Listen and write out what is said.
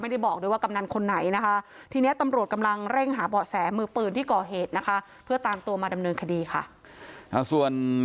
ก็บอกว่าไม่ได้เข้ามาเผลอก็เป็นม้านงอนอยู่